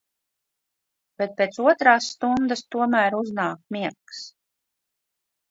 Bet pēc otrās stundas tomēr uznāk miegs.